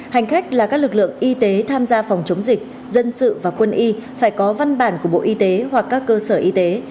hành khách là các lực lượng y tế tham gia phòng chống dịch dân sự và quân y phải có văn bản của bộ y tế hoặc các cơ sở y tế